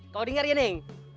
kau dengar ya neng